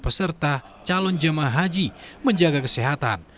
peserta calon jemaah haji menjaga kesehatan